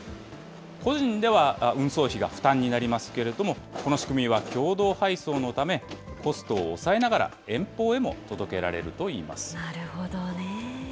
個人では運送費が負担になりますけれども、この仕組みは共同配送のため、コストを抑えながら、なるほどね。